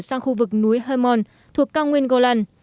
sang khu vực núi hermon thuộc cao nguyên golan